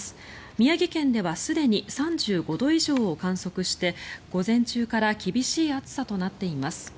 宮城県ではすでに３５度以上を観測して午前中から厳しい暑さとなっています。